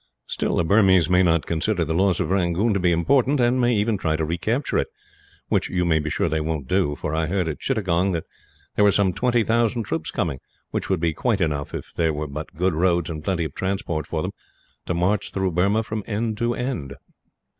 "Still, the Burmese may not consider the loss of Rangoon to be important, and may even try to recapture it which you may be sure they won't do, for I heard at Chittagong that there were some twenty thousand troops coming; which would be quite enough, if there were but good roads and plenty of transport for them, to march through Burma from end to end."